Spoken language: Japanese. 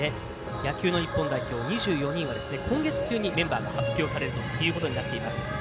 野球の日本代表今月中にメンバーが発表されるということになっています。